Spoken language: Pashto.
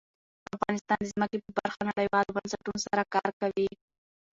افغانستان د ځمکه په برخه کې نړیوالو بنسټونو سره کار کوي.